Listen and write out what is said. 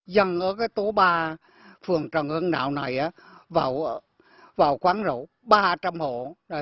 dân ở cái tố ba phường trần hương đạo này vào quán rổ ba trăm linh hộ